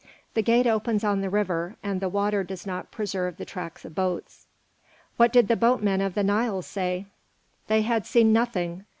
The gate opens on the river, and the water does not preserve the track of boats." "What did the boatmen of the Nile say?" "They had seen nothing.